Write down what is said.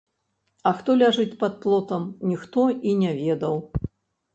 А хто ляжыць пад плотам, ніхто і не ведаў.